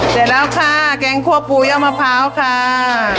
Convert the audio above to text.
เสร็จแล้วค่ะแกงคั่วปุ๋ยเอามะพร้าวค่ะ